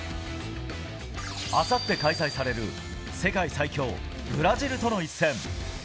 あさって開催される世界最強、ブラジルとの一戦。